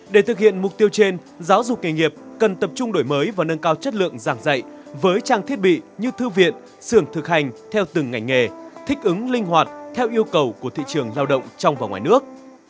để thực hiện mục tiêu trên giáo dục nghề nghiệp cần tập trung đổi mới và nâng cao chất lượng giảng dạy với trang thiết bị như thư viện xưởng thực hành theo từng ngành nghề thích ứng linh hoạt theo yêu cầu của thị trường lao động trong và ngoài nước